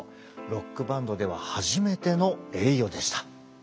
ロックバンドでは初めての栄誉でした。